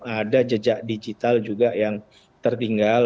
ada jejak digital juga yang tertinggal